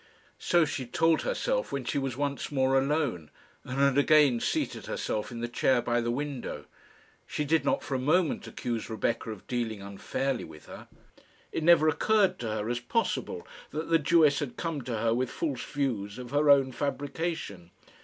So she told herself when she was once more alone, and had again seated herself in the chair by the window. She did not for a moment accuse Rebecca of dealing unfairly with her. It never occurred to her as possible that the Jewess had come to her with false views of her own fabrication.